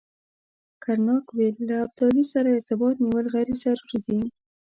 کرناک ویل له ابدالي سره ارتباط نیول غیر ضروري دي.